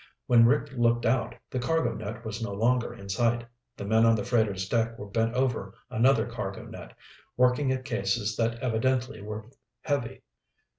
When Rick looked out, the cargo net was no longer in sight. The men on the freighter's deck were bent over another cargo net, working at cases that evidently were heavy.